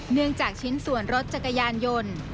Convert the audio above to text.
เนื่องจากชิ้นส่วนรถจักรยานยนต์